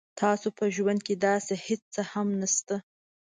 تاسو په ژوند کې داسې هیڅ څه هم نشته